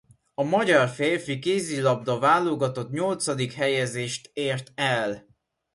A magyar férfi kézilabda-válogatott nyolcadik helyezést ért el.